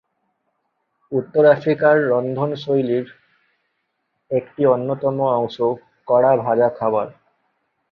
উত্তর আফ্রিকার রন্ধন শৈলীর একটি অন্যতম অংশ কড়া ভাজা খাবার।